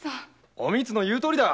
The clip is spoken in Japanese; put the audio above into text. おみつの言うとおりだ。